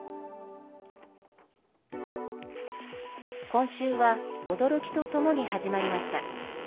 今週は驚きとともに始まりました。